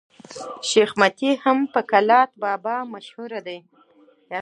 شېخ متي په کلات بابا هم مشهور دئ.